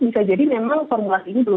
bisa jadi memang formulasi ini belum